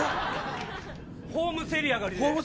ホームせり上がりで。